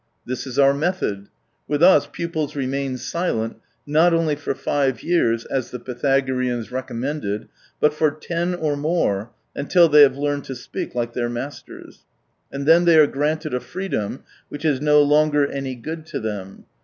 This is our method. With us pupils remain silent, not only for five years, as the Pythagoreans recommended, but for ten or more — until they have learned to speak like their masters. And then they are granted a freedom which is no longer any good to them.